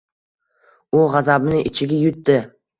U g‘azabini ichiga yutdi.